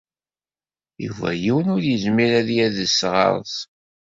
Yuba yiwen ur yezmir ad yades ɣer-s.